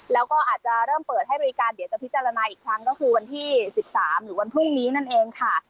แล้วก็อาจจะเริ่มเปิดให้บริการเดี๋ยวจะพิจารณาอีกครั้งก็คือวันที่๑๓หรือวันพรุ่งนี้นั่นเองค่ะ